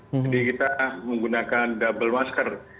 jadi kita menggunakan double masker